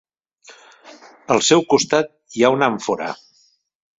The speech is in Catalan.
Al seu costat hi ha una àmfora.